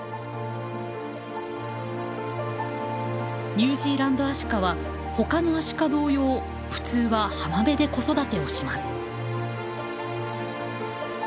ニュージーランドアシカは他のアシカ同様普通は浜辺で子育てをします。